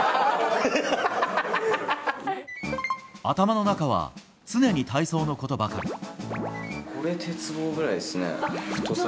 頭の中は常に体操のことばかり。